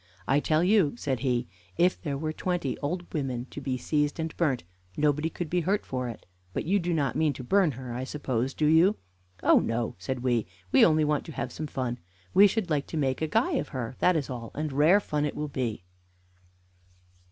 I tell you," said he, "if there were twenty old women to be seized and burnt, nobody could be hurt for it. But you do not mean to burn her, I suppose, do you?" "Oh no," said we; "we only want to have some fun. We should like to make a guy of her, that is all, and rare fun it will be."